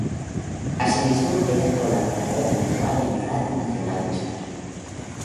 Asimismo, era colaborador habitual en Radio Nacional de España.